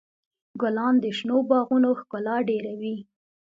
ګلان د شنو باغونو ښکلا ډېروي.